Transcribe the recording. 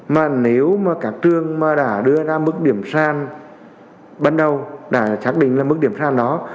mà nếu mà các trường mà đã đưa ra mức điểm san ban đầu đã xác định là mức điểm sàn đó